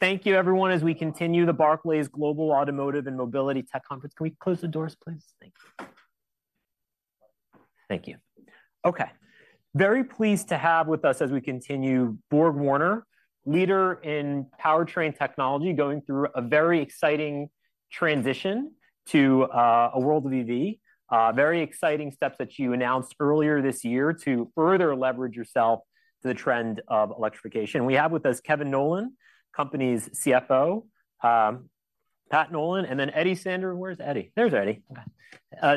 Thank you everyone. As we continue the Barclays Global Automotive and Mobility Tech Conference. Can we close the doors, please? Thank you. Thank you. Okay, very pleased to have with us as we continue, BorgWarner, leader in powertrain technology, going through a very exciting transition to a world of EV. Very exciting steps that you announced earlier this year to further leverage yourself to the trend of electrification. We have with us Kevin Nowlan, company's CFO, Pat Nolan, and then Eddie Sander. Where's Eddie? There's Eddie.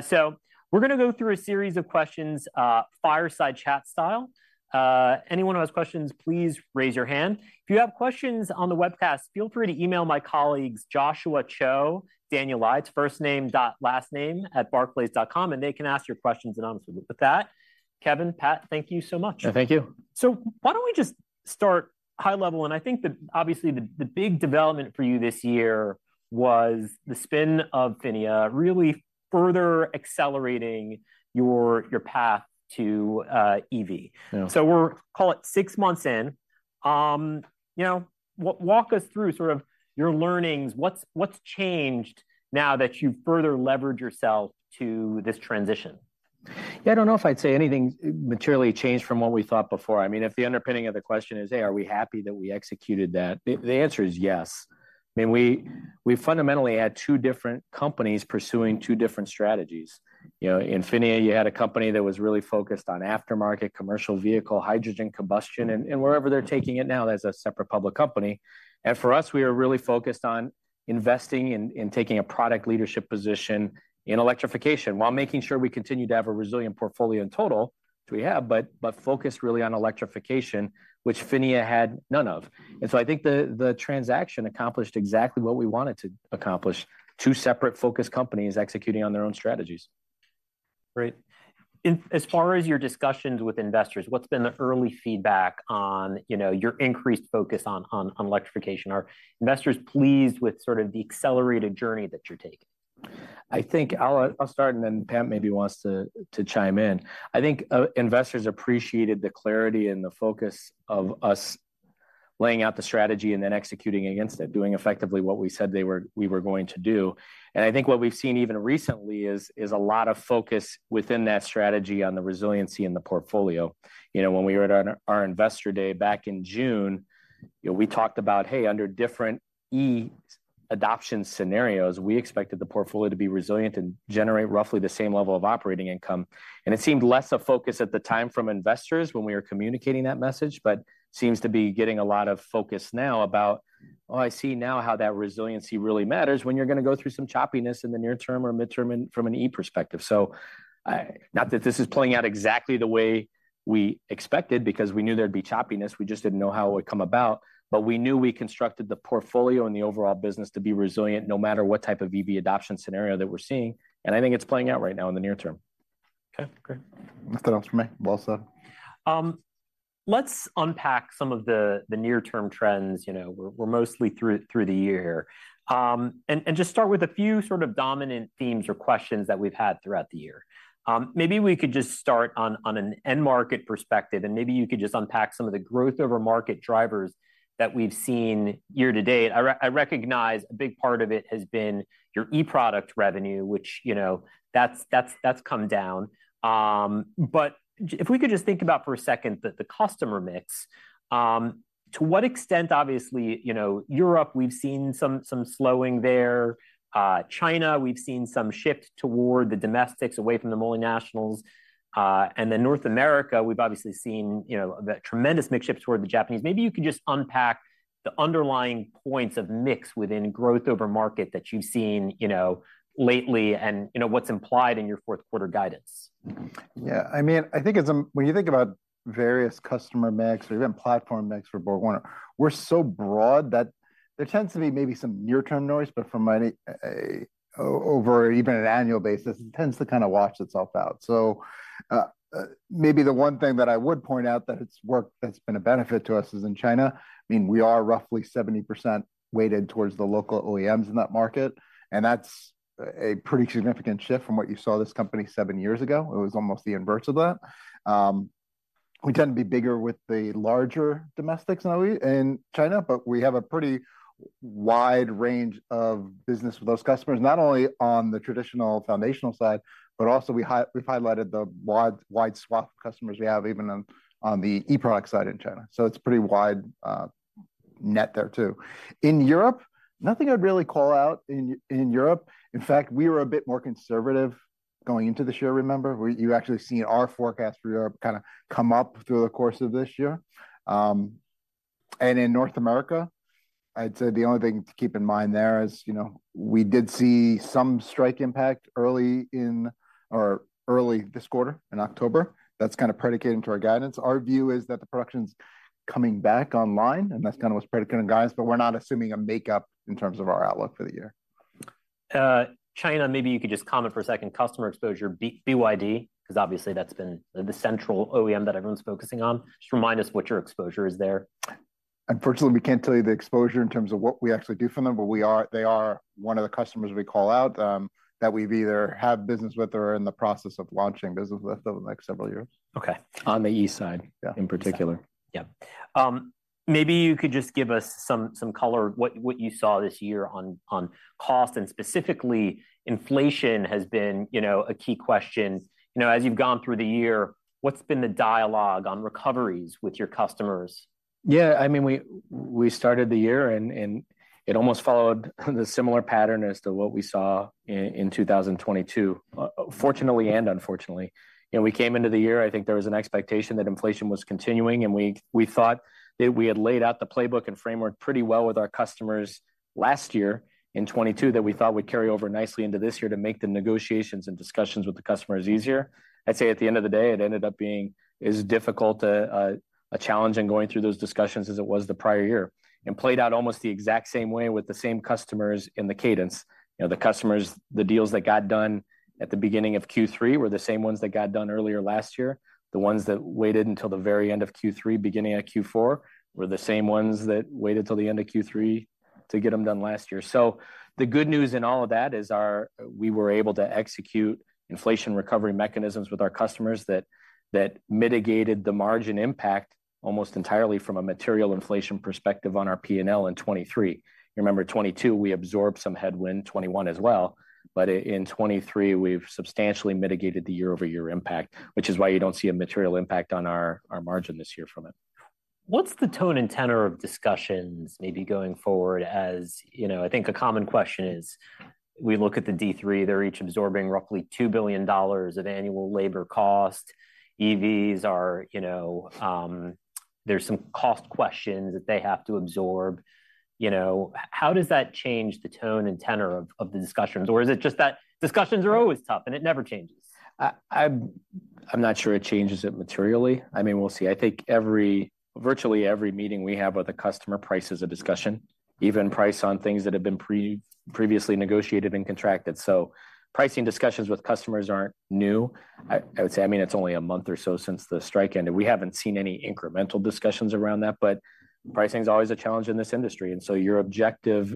So we're going to go through a series of questions, fireside chat style. Anyone who has questions, please raise your hand. If you have questions on the webcast, feel free to email my colleagues, Joshua Cho, Daniel Lites, firstname.lastname@barclays.com, and they can ask your questions, and obviously, with that, Kevin, Pat, thank you so much. Thank you. Why don't we just start high level? I think obviously, the big development for you this year was the spin of PHINIA, really further accelerating your path to EV. Yeah. So we're, call it, six months in. You know, walk us through sort of your learnings. What's changed now that you've further leveraged yourself to this transition? Yeah, I don't know if I'd say anything materially changed from what we thought before. I mean, if the underpinning of the question is, "Hey, are we happy that we executed that?" The answer is yes. I mean, we fundamentally had two different companies pursuing two different strategies. You know, in PHINIA, you had a company that was really focused on aftermarket, commercial vehicle, hydrogen combustion, and wherever they're taking it now as a separate public company. And for us, we are really focused on investing in taking a product leadership position in electrification, while making sure we continue to have a resilient portfolio in total. Which we have, but focused really on electrification, which PHINIA had none of. And so I think the transaction accomplished exactly what we wanted to accomplish: two separate focused companies executing on their own strategies. Great. As far as your discussions with investors, what's been the early feedback on, you know, your increased focus on, on, on electrification? Are investors pleased with sort of the accelerated journey that you're taking? I think I'll start, and then Pat maybe wants to chime in. I think investors appreciated the clarity and the focus of us laying out the strategy and then executing against it, doing effectively what we said they were, we were going to do. And I think what we've seen even recently is a lot of focus within that strategy on the resiliency in the portfolio. You know, when we were at our Investor Day back in June, you know, we talked about, hey, under different E adoption scenarios, we expected the portfolio to be resilient and generate roughly the same level of operating income. And it seemed less a focus at the time from investors when we were communicating that message, but seems to be getting a lot of focus now about, "Oh, I see now how that resiliency really matters when you're going to go through some choppiness in the near term or mid-term in, from an E perspective." So, not that this is playing out exactly the way we expected, because we knew there'd be choppiness, we just didn't know how it would come about, but we knew we constructed the portfolio and the overall business to be resilient, no matter what type of EV adoption scenario that we're seeing. And I think it's playing out right now in the near term. Okay, great. Nothing else from me. Well said. Let's unpack some of the near-term trends. You know, we're mostly through the year. And just start with a few sort of dominant themes or questions that we've had throughout the year. Maybe we could just start on an end-market perspective, and maybe you could just unpack some of the growth over market drivers that we've seen year to date. I recognize a big part of it has been your eProduct revenue, which, you know, that's come down. But if we could just think about for a second the customer mix, to what extent, obviously, you know, Europe, we've seen some slowing there. China, we've seen some shift toward the domestics, away from the multinationals. And then North America, we've obviously seen, you know, the tremendous mix shift toward the Japanese. Maybe you could just unpack the underlying points of mix within growth over market that you've seen, you know, lately, and you know, what's implied in your fourth quarter guidance? Yeah, I mean, I think it's... When you think about various customer mix or even platform mix for BorgWarner, we're so broad that there tends to be maybe some near-term noise, but from my over even an annual basis, it tends to kind of wash itself out. So, maybe the one thing that I would point out that it's worked, that's been a benefit to us, is in China. I mean, we are roughly 70% weighted towards the local OEMs in that market, and that's a pretty significant shift from what you saw this company 7 years ago. It was almost the inverse of that. We tend to be bigger with the larger domestics now in China, but we have a pretty wide range of business with those customers, not only on the traditional foundational side, but also we've highlighted the wide, wide swath of customers we have, even on the eProduct side in China. So it's a pretty wide net there, too. In Europe, nothing I'd really call out in Europe. In fact, we were a bit more conservative going into this year, remember. You've actually seen our forecast for Europe kind of come up through the course of this year. And in North America, I'd say the only thing to keep in mind there is, you know, we did see some strike impact early this quarter, in October. That's kind of predicating to our guidance. Our view is that the production's coming back online, and that's kind of what's predicating the guidance, but we're not assuming a makeup in terms of our outlook for the year. China, maybe you could just comment for a second, customer exposure, BYD, because obviously that's been the central OEM that everyone's focusing on. Just remind us what your exposure is there.... Unfortunately, we can't tell you the exposure in terms of what we actually do for them, but we are—they are one of the customers we call out, that we've either have business with or are in the process of launching business with over the next several years. Okay. On the E side- Yeah -in particular. Yeah. Maybe you could just give us some color, what you saw this year on cost, and specifically, inflation has been, you know, a key question. You know, as you've gone through the year, what's been the dialogue on recoveries with your customers? Yeah, I mean, we, we started the year, and, and it almost followed the similar pattern as to what we saw in, in 2022, fortunately and unfortunately. You know, we came into the year, I think there was an expectation that inflation was continuing, and we, we thought that we had laid out the playbook and framework pretty well with our customers last year, in 2022, that we thought would carry over nicely into this year to make the negotiations and discussions with the customers easier. I'd say, at the end of the day, it ended up being as difficult a challenge in going through those discussions as it was the prior year, and played out almost the exact same way with the same customers in the cadence. You know, the deals that got done at the beginning of Q3 were the same ones that got done earlier last year. The ones that waited until the very end of Q3, beginning of Q4, were the same ones that waited till the end of Q3 to get them done last year. So the good news in all of that is we were able to execute inflation recovery mechanisms with our customers that mitigated the margin impact almost entirely from a material inflation perspective on our P&L in 2023. Remember, 2022, we absorbed some headwind, 2021 as well, but in 2023, we've substantially mitigated the year-over-year impact, which is why you don't see a material impact on our margin this year from it. What's the tone and tenor of discussions maybe going forward, as you know, I think a common question is, we look at the D3, they're each absorbing roughly $2 billion of annual labor cost. EVs are, you know, there's some cost questions that they have to absorb. You know, how does that change the tone and tenor of the discussions? Or is it just that discussions are always tough, and it never changes? I'm not sure it changes it materially. I mean, we'll see. I think virtually every meeting we have with a customer, price is a discussion, even price on things that have been previously negotiated and contracted. So pricing discussions with customers aren't new. I would say, I mean, it's only a month or so since the strike ended. We haven't seen any incremental discussions around that, but pricing is always a challenge in this industry. And so your objective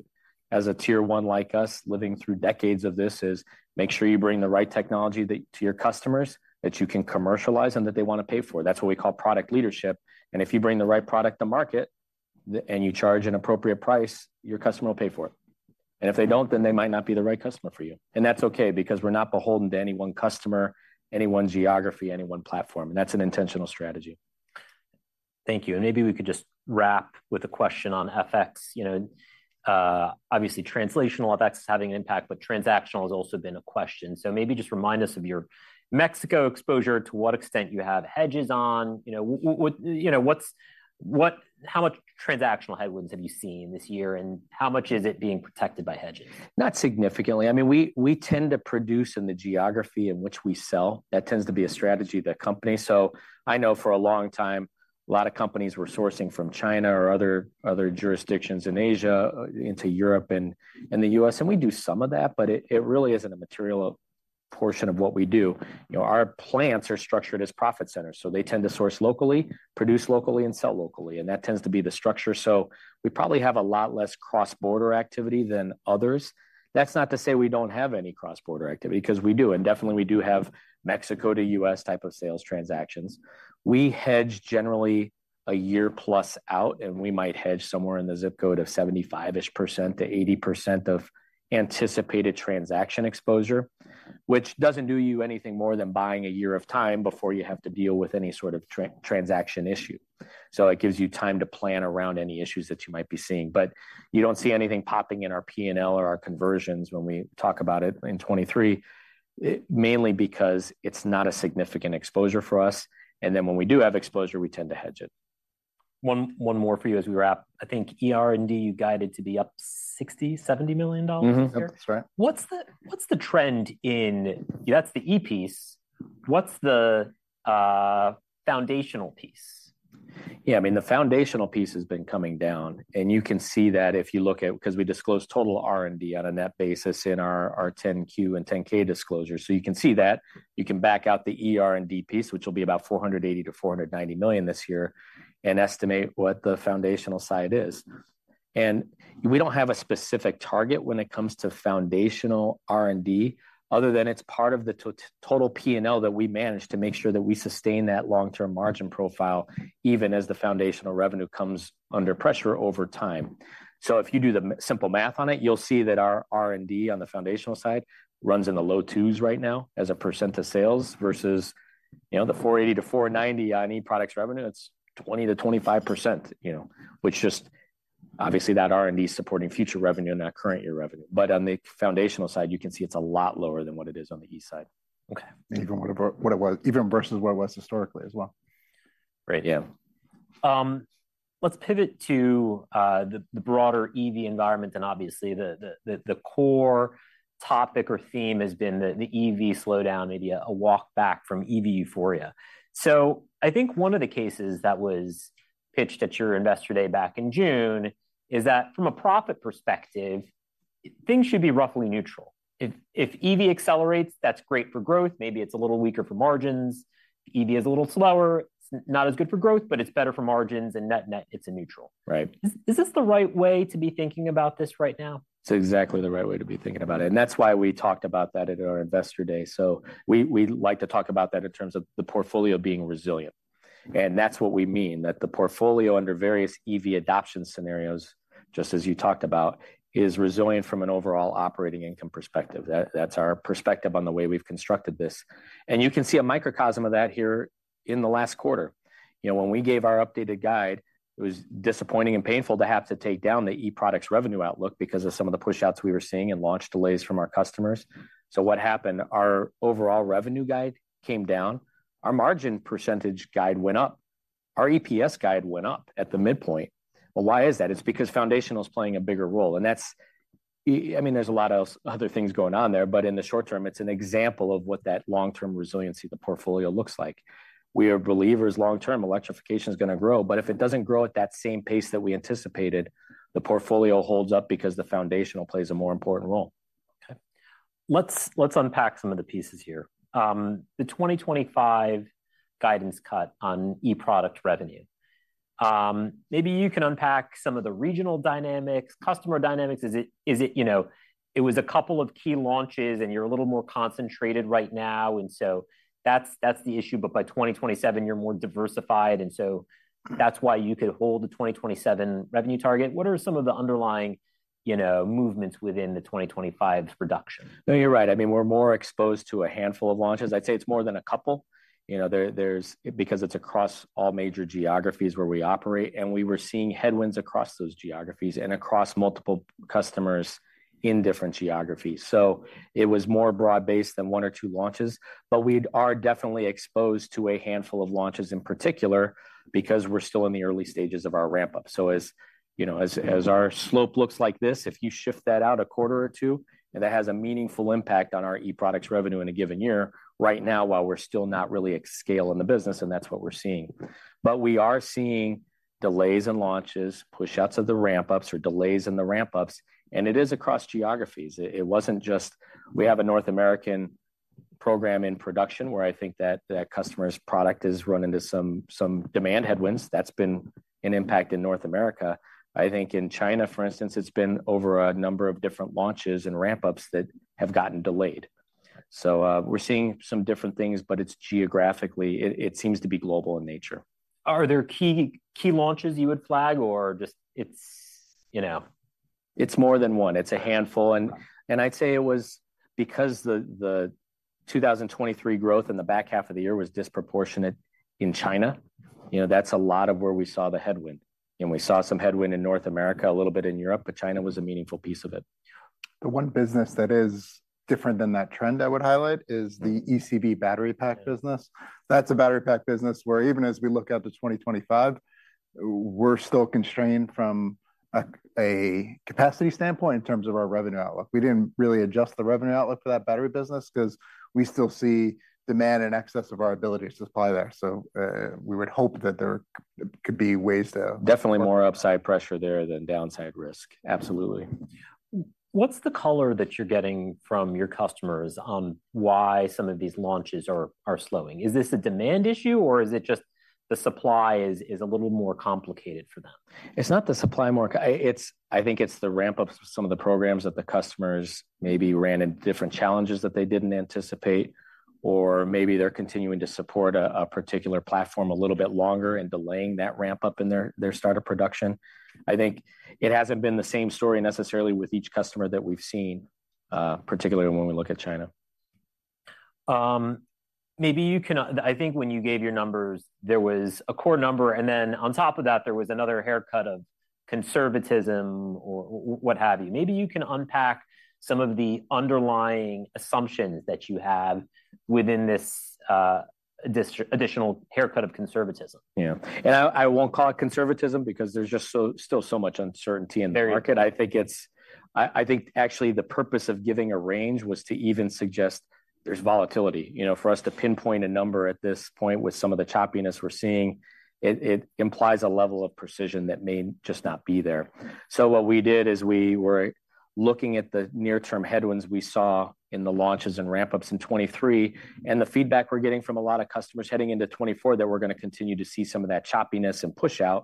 as a tier one like us, living through decades of this, is make sure you bring the right technology that to your customers, that you can commercialize and that they want to pay for. That's what we call product leadership. And if you bring the right product to market, and you charge an appropriate price, your customer will pay for it. If they don't, then they might not be the right customer for you. That's okay because we're not beholden to any one customer, any one geography, any one platform, and that's an intentional strategy. Thank you. Maybe we could just wrap with a question on FX. You know, obviously, translational FX is having an impact, but transactional has also been a question. Maybe just remind us of your Mexico exposure, to what extent you have hedges on. You know, how much transactional headwinds have you seen this year, and how much is it being protected by hedging? Not significantly. I mean, we tend to produce in the geography in which we sell. That tends to be a strategy of the company. So I know for a long time, a lot of companies were sourcing from China or other jurisdictions in Asia into Europe and the U.S., and we do some of that, but it really isn't a material portion of what we do. You know, our plants are structured as profit centers, so they tend to source locally, produce locally, and sell locally, and that tends to be the structure. So we probably have a lot less cross-border activity than others. That's not to say we don't have any cross-border activity, 'cause we do, and definitely we do have Mexico to U.S. type of sales transactions. We hedge generally a year plus out, and we might hedge somewhere in the zip code of 75%-ish to 80% of anticipated transaction exposure, which doesn't do you anything more than buying a year of time before you have to deal with any sort of transaction issue. So it gives you time to plan around any issues that you might be seeing. But you don't see anything popping in our P&L or our conversions when we talk about it in 2023, it, mainly because it's not a significant exposure for us, and then when we do have exposure, we tend to hedge it. One, one more for you as we wrap. I think eR&D, you guided to be up $60 million-$70 million this year? Mm-hmm. That's right. What's the, what's the trend in... That's the E piece. What's the foundational piece? Yeah, I mean, the foundational piece has been coming down, and you can see that if you look at—because we disclose total R&D on a net basis in our 10-Q and 10-K disclosure. So you can see that. You can back out the eR&D piece, which will be about $480 million-$490 million this year, and estimate what the foundational side is. And we don't have a specific target when it comes to foundational R&D, other than it's part of the total P&L that we manage to make sure that we sustain that long-term margin profile, even as the foundational revenue comes under pressure over time. So if you do the simple math on it, you'll see that our R&D on the foundational side runs in the low 2s right now, as a % of sales, versus, you know, the $4.80-$4.90 on eProducts revenue, that's 20%-25%, you know, which just, obviously, that R&D is supporting future revenue, not current year revenue. But on the foundational side, you can see it's a lot lower than what it is on the E side. Okay. Even what it was even versus what it was historically as well. Right. Yeah. Let's pivot to the broader EV environment, and obviously, the core topic or theme has been the EV slowdown idea, a walk back from EV euphoria. So I think one of the cases that was pitched at your Investor Day back in June is that from a profit perspective, things should be roughly neutral. If EV accelerates, that's great for growth, maybe it's a little weaker for margins. If EV is a little slower, it's not as good for growth, but it's better for margins, and net-net, it's a neutral, right? Is this the right way to be thinking about this right now? It's exactly the right way to be thinking about it, and that's why we talked about that at our Investor Day. So we like to talk about that in terms of the portfolio being resilient. And that's what we mean, that the portfolio, under various EV adoption scenarios, just as you talked about, is resilient from an overall operating income perspective. That's our perspective on the way we've constructed this. And you can see a microcosm of that here in the last quarter. You know, when we gave our updated guide, it was disappointing and painful to have to take down the eProducts revenue outlook because of some of the push-outs we were seeing and launch delays from our customers. So what happened? Our overall revenue guide came down. Our margin percentage guide went up. Our EPS guide went up at the midpoint. Well, why is that? It's because foundational is playing a bigger role, and that's... I mean, there's a lot of other things going on there, but in the short term, it's an example of what that long-term resiliency of the portfolio looks like. We are believers long term, electrification is going to grow, but if it doesn't grow at that same pace that we anticipated, the portfolio holds up because the foundational plays a more important role. Okay. Let's unpack some of the pieces here. The 2025 guidance cut on eProduct revenue. Maybe you can unpack some of the regional dynamics, customer dynamics. Is it, you know, it was a couple of key launches, and you're a little more concentrated right now, and so that's the issue, but by 2027, you're more diversified, and so that's why you could hold the 2027 revenue target. What are some of the underlying, you know, movements within the 2025's reduction? No, you're right. I mean, we're more exposed to a handful of launches. I'd say it's more than a couple. You know, there's because it's across all major geographies where we operate, and we were seeing headwinds across those geographies and across multiple customers in different geographies. So it was more broad-based than one or two launches, but we are definitely exposed to a handful of launches in particular because we're still in the early stages of our ramp-up. So as you know, as our slope looks like this, if you shift that out a quarter or two, that has a meaningful impact on our eProducts revenue in a given year. Right now, while we're still not really at scale in the business, and that's what we're seeing. But we are seeing delays in launches, pushouts of the ramp-ups or delays in the ramp-ups, and it is across geographies. It wasn't just. We have a North American program in production, where I think that customer's product has run into some demand headwinds. That's been an impact in North America. I think in China, for instance, it's been over a number of different launches and ramp-ups that have gotten delayed. So, we're seeing some different things, but it's geographically, it seems to be global in nature. Are there key, key launches you would flag, or just it's, you know? It's more than one. It's a handful. Okay. And I'd say it was because the 2023 growth in the back half of the year was disproportionate in China. You know, that's a lot of where we saw the headwind. And we saw some headwind in North America, a little bit in Europe, but China was a meaningful piece of it. The one business that is different than that trend I would highlight is the eCV battery pack business. That's a battery pack business where even as we look out to 2025, we're still constrained from a capacity standpoint in terms of our revenue outlook. We didn't really adjust the revenue outlook for that battery business because we still see demand in excess of our ability to supply that. So, we would hope that there could be ways to- Definitely more upside pressure there than downside risk. Absolutely. What's the color that you're getting from your customers on why some of these launches are slowing? Is this a demand issue, or is it just the supply is a little more complicated for them? It's not the supply, it's, I think it's the ramp-up of some of the programs that the customers maybe ran into different challenges that they didn't anticipate, or maybe they're continuing to support a particular platform a little bit longer and delaying that ramp-up in their start of production. I think it hasn't been the same story necessarily with each customer that we've seen, particularly when we look at China. Maybe you can... I think when you gave your numbers, there was a core number, and then on top of that, there was another haircut of conservatism or what have you. Maybe you can unpack some of the underlying assumptions that you have within this additional haircut of conservatism. Yeah. And I, I won't call it conservatism because there's just so, still so much uncertainty in the market. There is. I think actually the purpose of giving a range was to even suggest there's volatility. You know, for us to pinpoint a number at this point with some of the choppiness we're seeing, it implies a level of precision that may just not be there. So what we did is we were looking at the near-term headwinds we saw in the launches and ramp-ups in 2023, and the feedback we're getting from a lot of customers heading into 2024, that we're going to continue to see some of that choppiness and pushout,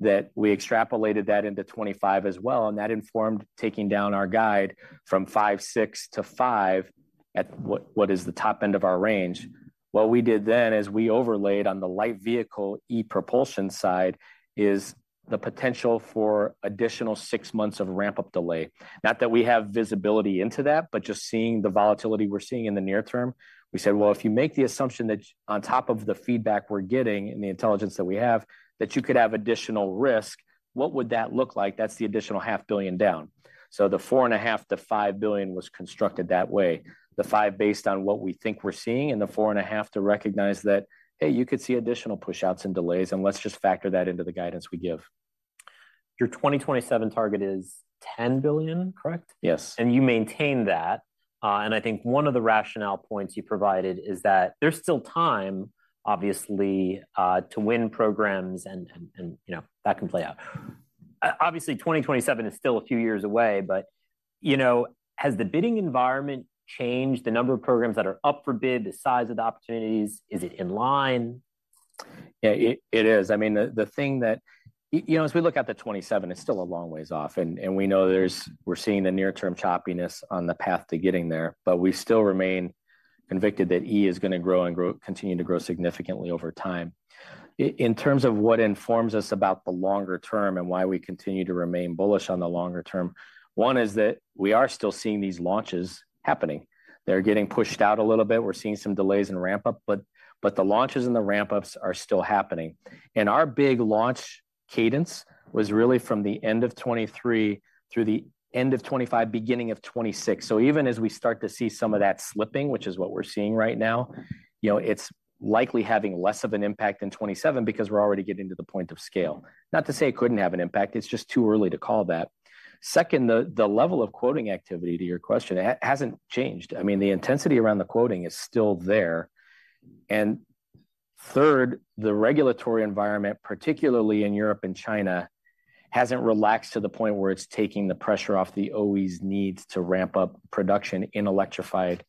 that we extrapolated that into 2025 as well, and that informed taking down our guide from 5-6 to 5, at what is the top end of our range. What we did then is we overlaid on the light vehicle ePropulsion side, is the potential for additional 6 months of ramp-up delay. Not that we have visibility into that, but just seeing the volatility we're seeing in the near term, we said: Well, if you make the assumption that on top of the feedback we're getting and the intelligence that we have, that you could have additional risk, what would that look like? That's the additional $500 million down. So the $4.5 billion-$5 billion was constructed that way. The $5 billion based on what we think we're seeing, and the $4.5 billion to recognize that, hey, you could see additional pushouts and delays, and let's just factor that into the guidance we give. Your 2027 target is $10 billion, correct? Yes. You maintain that? And I think one of the rationale points you provided is that there's still time, obviously, to win programs and, you know, that can play out. Obviously, 2027 is still a few years away, but, you know, has the bidding environment changed the number of programs that are up for bid, the size of the opportunities? Is it in line? Yeah, it is. I mean, the thing that you know, as we look at the 27, it's still a long ways off, and we know there's we're seeing the near-term choppiness on the path to getting there, but we still remain convicted that E is going to grow and continue to grow significantly over time. In terms of what informs us about the longer term and why we continue to remain bullish on the longer term, one is that we are still seeing these launches happening. They're getting pushed out a little bit. We're seeing some delays in ramp-up, but the launches and the ramp-ups are still happening. And our big launch cadence was really from the end of 2023 through the end of 2025, beginning of 2026. So even as we start to see some of that slipping, which is what we're seeing right now, you know, it's likely having less of an impact in 2027 because we're already getting to the point of scale. Not to say it couldn't have an impact, it's just too early to call that. Second, the level of quoting activity, to your question, hasn't changed. I mean, the intensity around the quoting is still there. And third, the regulatory environment, particularly in Europe and China, hasn't relaxed to the point where it's taking the pressure off the OEs need to ramp up production in electrified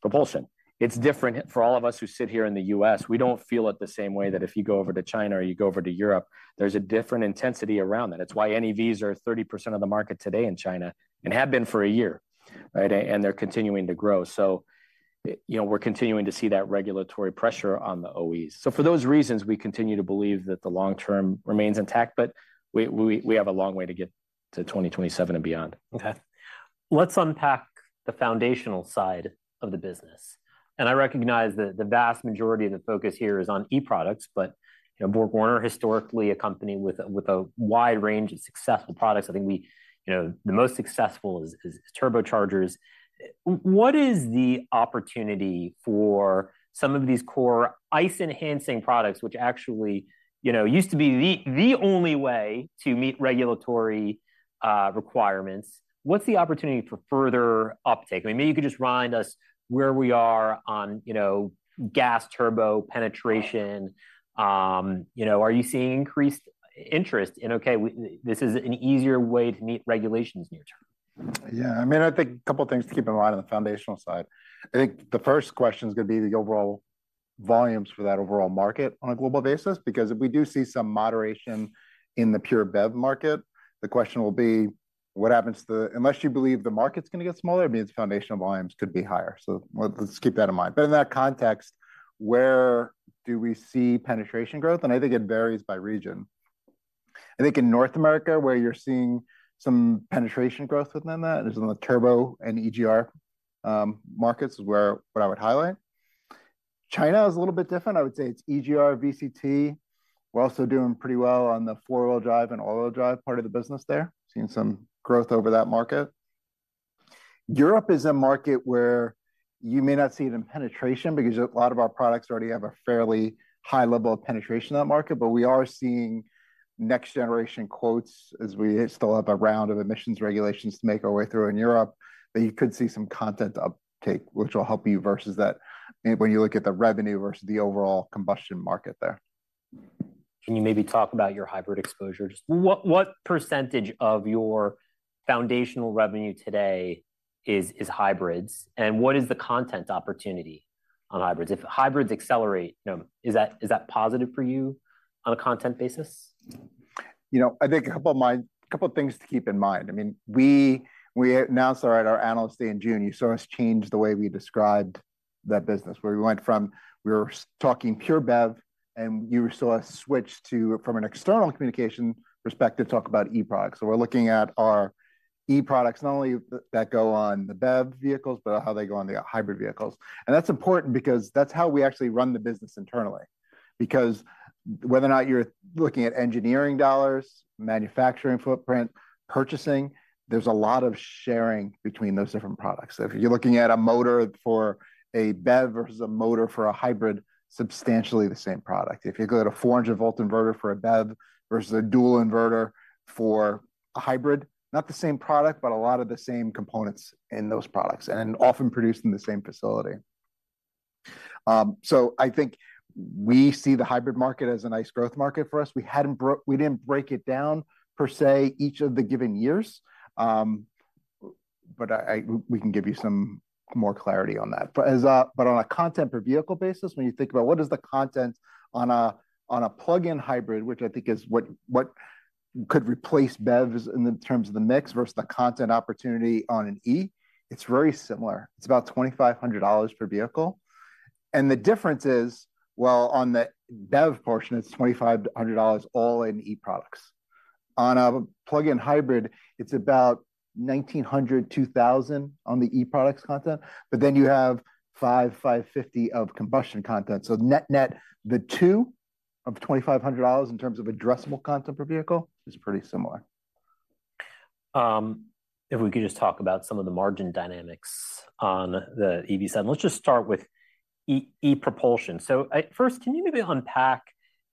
propulsion. It's different for all of us who sit here in the U.S. We don't feel it the same way that if you go over to China or you go over to Europe, there's a different intensity around that. It's why NEVs are 30% of the market today in China, and have been for a year, right? They're continuing to grow. So, you know, we're continuing to see that regulatory pressure on the OEs. So for those reasons, we continue to believe that the long term remains intact, but we have a long way to get to 2027 and beyond. Okay. Let's unpack the foundational side of the business. I recognize that the vast majority of the focus here is on eProducts, but, you know, BorgWarner, historically, a company with a wide range of successful products. I think you know, the most successful is turbochargers. What is the opportunity for some of these core ICE-enhancing products, which actually, you know, used to be the only way to meet regulatory requirements? What's the opportunity for further uptake? I mean, maybe you could just remind us where we are on, you know, gas turbo penetration. You know, are you seeing increased interest in, "Okay, we—this is an easier way to meet regulations near term? Yeah, I mean, I think a couple of things to keep in mind on the foundational side. I think the first question is going to be the overall volumes for that overall market on a global basis, because if we do see some moderation in the pure BEV market, the question will be: What happens to the. Unless you believe the market's going to get smaller, it means foundational volumes could be higher. So let's keep that in mind. But in that context, where do we see penetration growth? I think it varies by region. I think in North America, where you're seeing some penetration growth within that, is in the turbo and EGR markets, is where what I would highlight. China is a little bit different. I would say it's EGR, VCT. We're also doing pretty well on the four-wheel drive and all-wheel drive part of the business there. Seeing some growth over that market. Europe is a market where you may not see it in penetration because a lot of our products already have a fairly high level of penetration in that market, but we are seeing next-generation quotes as we still have a round of emissions regulations to make our way through in Europe, that you could see some content uptake, which will help you versus that, when you look at the revenue versus the overall combustion market there. Can you maybe talk about your hybrid exposure? Just what, what percentage of your foundational revenue today is, is hybrids, and what is the content opportunity on hybrids? If hybrids accelerate, you know, is that, is that positive for you on a content basis? You know, I think a couple of things to keep in mind. I mean, we announced earlier at our Analyst Day in June. You saw us change the way we described that business, where we went from—we were talking pure BEV, and you saw a switch to, from an external communication perspective, talk about eProducts. So we're looking at our eProducts, not only that go on the BEV vehicles, but how they go on the hybrid vehicles. And that's important because that's how we actually run the business internally. Because whether or not you're looking at engineering dollars, manufacturing footprint, purchasing, there's a lot of sharing between those different products. So if you're looking at a motor for a BEV versus a motor for a hybrid, substantially the same product. If you go at a 400-volt inverter for a BEV versus a dual inverter for a hybrid, not the same product, but a lot of the same components in those products, and often produced in the same facility. So I think we see the hybrid market as a nice growth market for us. We didn't break it down, per se, each of the given years, but we can give you some more clarity on that. But on a content per vehicle basis, when you think about what is the content on a plug-in hybrid, which I think is what could replace BEVs in the terms of the mix versus the content opportunity on an E, it's very similar. It's about $2,500 per vehicle. The difference is, well, on the BEV portion, it's $2,500 all in eProducts. On a plug-in hybrid, it's about $1,900, $2,000 on the eProducts content, but then you have $550 of combustion content. So net-net, the two of $2,500 in terms of addressable content per vehicle is pretty similar. If we could just talk about some of the margin dynamics on the EV side. Let's just start with E-E propulsion. So, first, can you maybe unpack,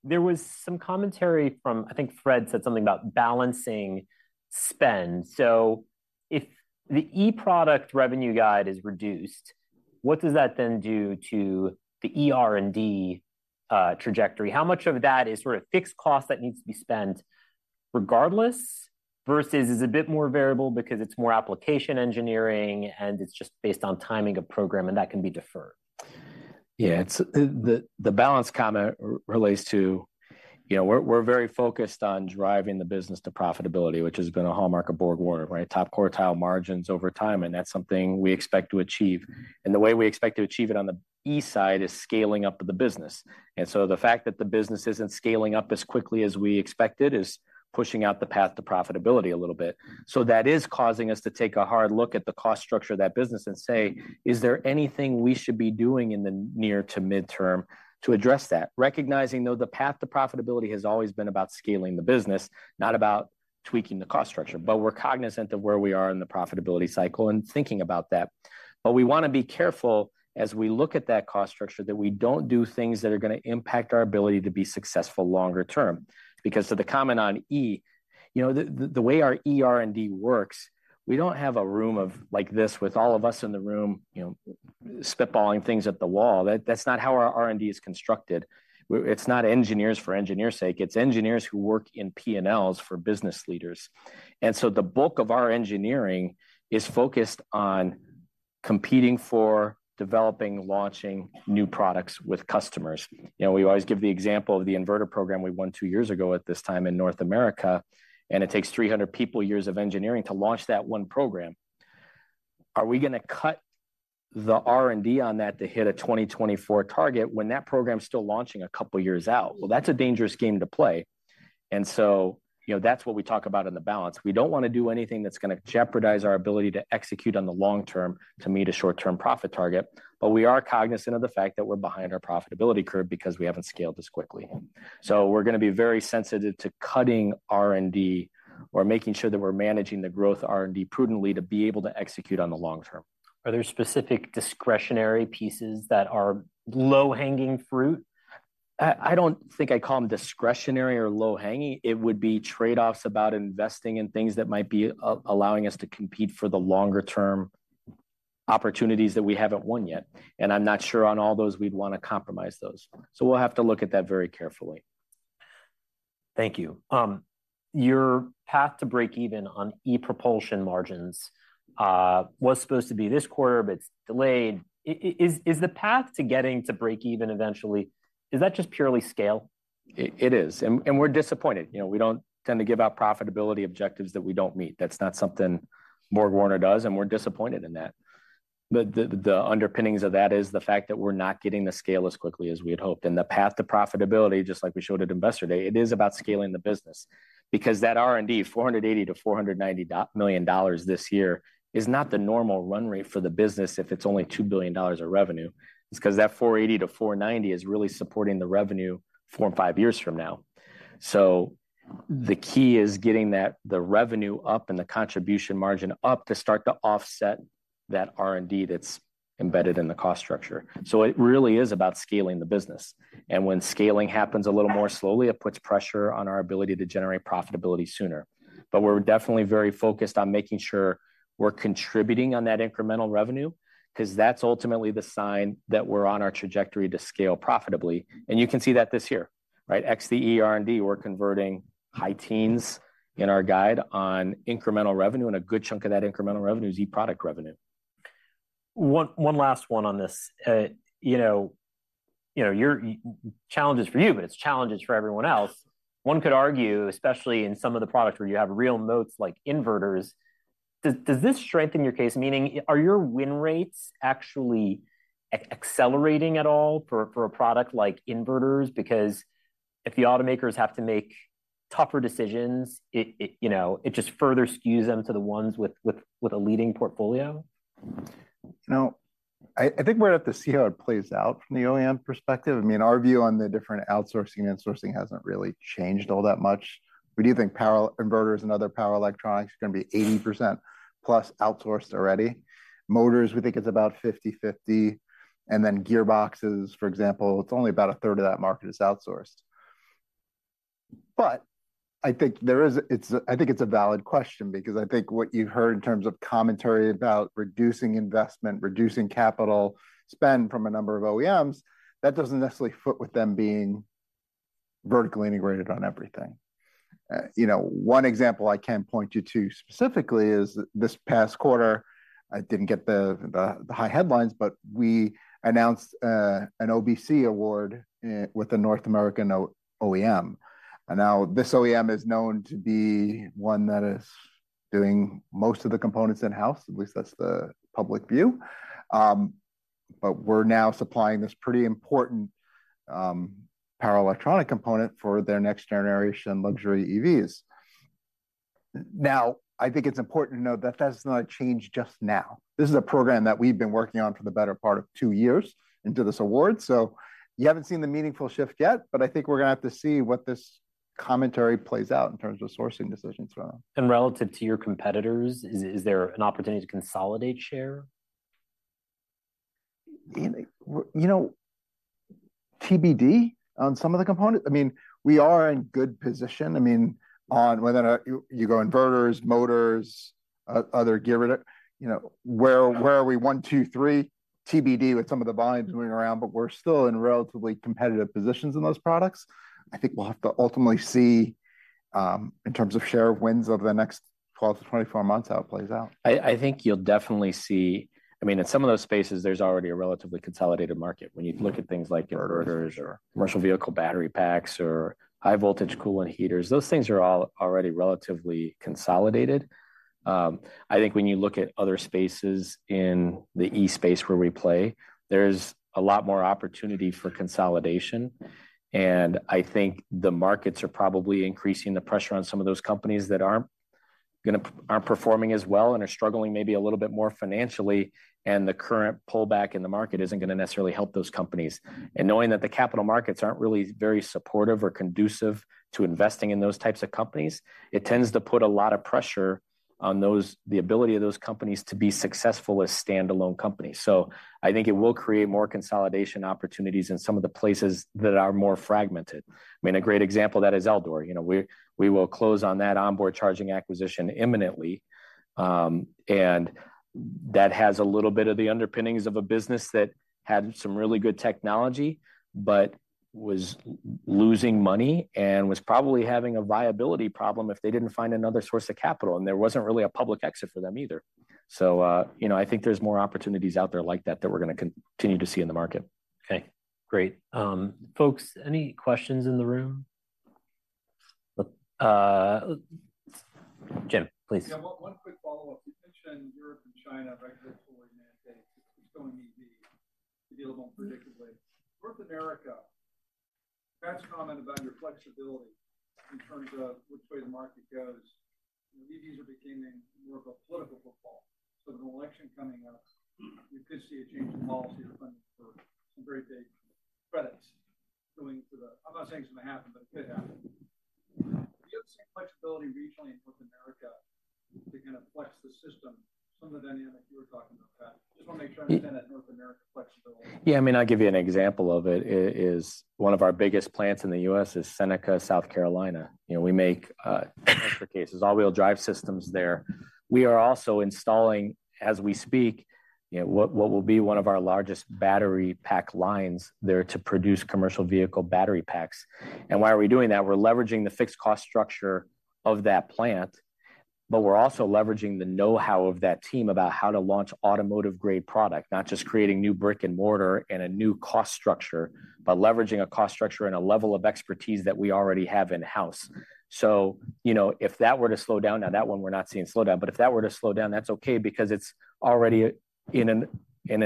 there was some commentary from, I think Fred said something about balancing spend. So if the eProduct revenue guide is reduced, what does that then do to the eR&D trajectory? How much of that is sort of fixed cost that needs to be spent regardless, versus is a bit more variable because it's more application engineering, and it's just based on timing of program, and that can be deferred? Yeah, it's the balance comment relates to, you know, we're very focused on driving the business to profitability, which has been a hallmark of BorgWarner, right? Top quartile margins over time, and that's something we expect to achieve. And the way we expect to achieve it on the E side is scaling up of the business. And so the fact that the business isn't scaling up as quickly as we expected is pushing out the path to profitability a little bit. So that is causing us to take a hard look at the cost structure of that business and say: Is there anything we should be doing in the near to mid-term to address that? Recognizing, though, the path to profitability has always been about scaling the business, not about tweaking the cost structure. But we're cognizant of where we are in the profitability cycle and thinking about that. But we wanna be careful as we look at that cost structure, that we don't do things that are gonna impact our ability to be successful longer term. Because to the comment on E, you know, the way our eR&D works, we don't have a room of like this with all of us in the room, you know, spitballing things at the wall. That's not how our R&D is constructed. It's not engineers for engineers' sake. It's engineers who work in P&Ls for business leaders. And so the bulk of our engineering is focused on competing for, developing, launching new products with customers. You know, we always give the example of the inverter program we won 2 years ago at this time in North America, and it takes 300 people years of engineering to launch that one program. Are we gonna cut the R&D on that to hit a 2024 target when that program's still launching a couple of years out? Well, that's a dangerous game to play. And so, you know, that's what we talk about in the balance. We don't wanna do anything that's gonna jeopardize our ability to execute on the long term to meet a short-term profit target. But we are cognizant of the fact that we're behind our profitability curve because we haven't scaled this quickly. So we're gonna be very sensitive to cutting R&D or making sure that we're managing the growth R&D prudently to be able to execute on the long term. Are there specific discretionary pieces that are low-hanging fruit? I don't think I call them discretionary or low-hanging. It would be trade-offs about investing in things that might be allowing us to compete for the longer term opportunities that we haven't won yet, and I'm not sure on all those we'd wanna compromise those. So we'll have to look at that very carefully. Thank you. Your path to breakeven on eProducts margins was supposed to be this quarter, but it's delayed. Is the path to getting to breakeven eventually just purely scale? It is, and we're disappointed. You know, we don't tend to give out profitability objectives that we don't meet. That's not something BorgWarner does, and we're disappointed in that. But the underpinnings of that is the fact that we're not getting the scale as quickly as we had hoped. And the path to profitability, just like we showed at Investor Day, it is about scaling the business. Because that R&D, $480 million-$490 million this year, is not the normal run rate for the business if it's only $2 billion of revenue. It's 'cause that $480-$490 is really supporting the revenue four or five years from now. So the key is getting the revenue up and the contribution margin up to start to offset that R&D that's embedded in the cost structure. It really is about scaling the business. When scaling happens a little more slowly, it puts pressure on our ability to generate profitability sooner. We're definitely very focused on making sure we're contributing on that incremental revenue, 'cause that's ultimately the sign that we're on our trajectory to scale profitably. You can see that this year, right? Ex the eR&D, we're converting high teens in our guide on incremental revenue, and a good chunk of that incremental revenue is eProducts revenue. One last one on this. You know, your challenge is for you, but it's challenges for everyone else. One could argue, especially in some of the products where you have real moats like inverters, does this strengthen your case? Meaning, are your win rates actually accelerating at all for a product like inverters? Because if the automakers have to make tougher decisions, it you know, it just further skews them to the ones with a leading portfolio. You know, I, I think we're gonna have to see how it plays out from the OEM perspective. I mean, our view on the different outsourcing and sourcing hasn't really changed all that much. We do think power inverters and other power electronics are gonna be 80%+ outsourced already. Motors, we think it's about 50/50, and then gearboxes, for example, it's only about a third of that market is outsourced. But I think there is. It's a. I think it's a valid question because I think what you heard in terms of commentary about reducing investment, reducing capital spend from a number of OEMs, that doesn't necessarily fit with them being vertically integrated on everything. You know, one example I can point you to specifically is this past quarter. I didn't get the high headlines, but we announced an OBC award with a North American OEM. And now, this OEM is known to be one that is doing most of the components in-house, at least that's the public view. But we're now supplying this pretty important power electronic component for their next generation luxury EVs. Now, I think it's important to note that that's not a change just now. This is a program that we've been working on for the better part of two years into this award, so you haven't seen the meaningful shift yet, but I think we're gonna have to see what this commentary plays out in terms of sourcing decisions from them. Relative to your competitors, is there an opportunity to consolidate share? you know, TBD on some of the components. I mean, we are in good position. I mean, on whether you go inverters, motors, other gear, you know, where are we? 1, 2, 3, TBD with some of the volumes moving around, but we're still in relatively competitive positions in those products. I think we'll have to ultimately see, in terms of share of wins over the next 12-24 months, how it plays out. I think you'll definitely see, I mean, in some of those spaces, there's already a relatively consolidated market. When you look at things like inverters or commercial vehicle battery packs or high voltage coolant heaters, those things are all already relatively consolidated. I think when you look at other spaces in the E-space where we play, there's a lot more opportunity for consolidation. And I think the markets are probably increasing the pressure on some of those companies that aren't performing as well and are struggling maybe a little bit more financially, and the current pullback in the market isn't going to necessarily help those companies. And knowing that the capital markets aren't really very supportive or conducive to investing in those types of companies, it tends to put a lot of pressure on the ability of those companies to be successful as standalone companies. I think it will create more consolidation opportunities in some of the places that are more fragmented. I mean, a great example of that is Eldor. You know, we will close on that onboard charging acquisition imminently, and that has a little bit of the underpinnings of a business that had some really good technology, but was losing money and was probably having a viability problem if they didn't find another source of capital, and there wasn't really a public exit for them either. So, you know, I think there's more opportunities out there like that, that we're going to continue to see in the market. Okay, great. Folks, any questions in the room? Jim, please. Yeah, one quick follow-up. You mentioned Europe and China, right, before United States. It's going to be a little more predictably. North America, Pat's comment about your flexibility in terms of which way the market goes, EVs are becoming more of a political football. So with an election coming up, we could see a change in policy or funding for some very big credits going to the... I'm not saying it's going to happen, but it could happen. Do you have the same flexibility regionally in North America to kind of flex the system, some of the dynamic you were talking about, Pat? Just want to make sure I understand that North America flexibility. Yeah, I mean, I'll give you an example of it. It is one of our biggest plants in the U.S. is Seneca, South Carolina. You know, we make cases, all-wheel drive systems there. We are also installing, as we speak, you know, what will be one of our largest battery pack lines there to produce commercial vehicle battery packs. And why are we doing that? We're leveraging the fixed cost structure of that plant, but we're also leveraging the know-how of that team about how to launch automotive-grade product, not just creating new brick-and-mortar and a new cost structure, but leveraging a cost structure and a level of expertise that we already have in-house. So, you know, if that were to slow down, now, that one, we're not seeing slow down, but if that were to slow down, that's okay because it's already in an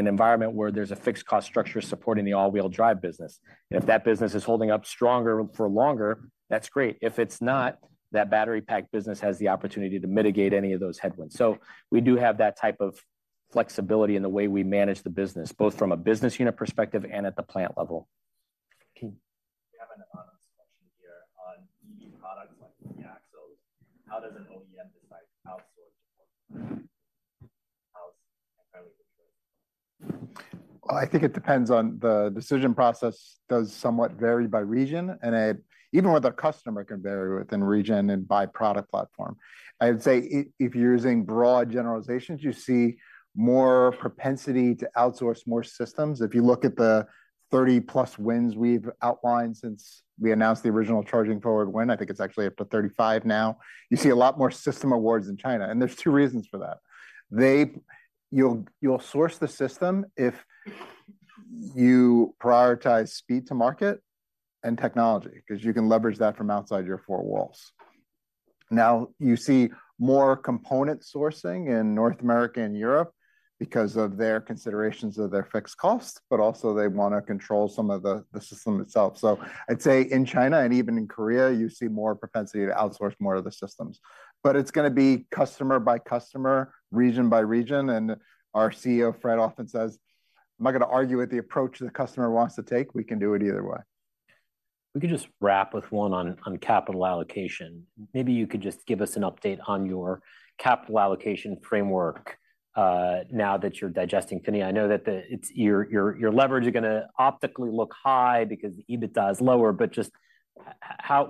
environment where there's a fixed cost structure supporting the all-wheel drive business. And if that business is holding up stronger for longer, that's great. If it's not, that battery pack business has the opportunity to mitigate any of those headwinds. So we do have that type of flexibility in the way we manage the business, both from a business unit perspective and at the plant level. Okay. We have an anonymous question here on EV products like the axles. How does an OEM decide to outsource or how is high volume ensured? Well, I think it depends on the decision process does somewhat vary by region, and it even with a customer, can vary within region and by product platform. I'd say if you're using broad generalizations, you see more propensity to outsource more systems. If you look at the 30+ wins we've outlined since we announced the original Charging Forward win, I think it's actually up to 35 now, you see a lot more system awards in China, and there's two reasons for that. You'll, you'll source the system if you prioritize speed to market and technology, because you can leverage that from outside your four walls. Now, you see more component sourcing in North America and Europe because of their considerations of their fixed costs, but also they want to control some of the system itself. I'd say in China, and even in Korea, you see more propensity to outsource more of the systems. But it's going to be customer by customer, region by region, and our CEO, Fred, often says: "I'm not going to argue with the approach the customer wants to take. We can do it either way. We could just wrap with one on capital allocation. Maybe you could just give us an update on your capital allocation framework, now that you're digesting PHINIA. I know that it's your leverage is going to optically look high because the EBITDA is lower, but just how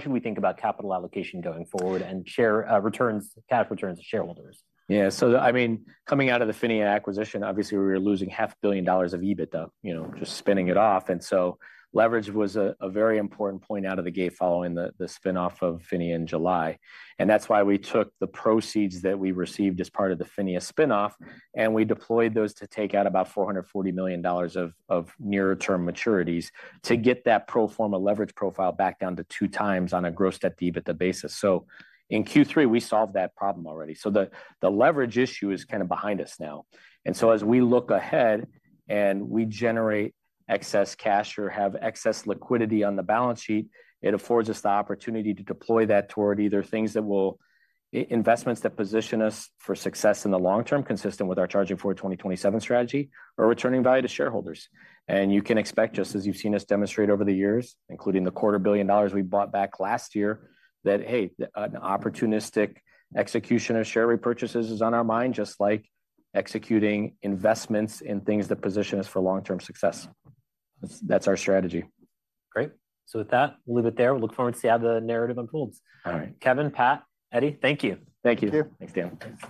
should we think about capital allocation going forward and share, returns, cash returns to shareholders? Yeah. So, I mean, coming out of the PHINIA acquisition, obviously, we were losing $500 million of EBITDA, you know, just spinning it off. And so leverage was a very important point out of the gate following the spin-off of PHINIA in July. And that's why we took the proceeds that we received as part of the PHINIA spin-off, and we deployed those to take out about $440 million of nearer-term maturities to get that pro forma leverage profile back down to 2x on a grossed-up EBITDA basis. So in Q3, we solved that problem already. So the leverage issue is kind of behind us now. And so as we look ahead and we generate excess cash or have excess liquidity on the balance sheet, it affords us the opportunity to deploy that toward either things that will... investments that position us for success in the long term, consistent with our Charging Forward 2027 strategy or returning value to shareholders. And you can expect, just as you've seen us demonstrate over the years, including the $250 million we bought back last year, that, hey, an opportunistic execution of share repurchases is on our mind, just like executing investments in things that position us for long-term success. That's, that's our strategy. Great. With that, we'll leave it there. We look forward to see how the narrative unfolds. All right. Kevin, Pat, Eddie, thank you. Thank you. Thank you.